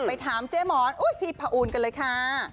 ไปถามเจ๊หมอนพี่พอูลกันเลยค่ะ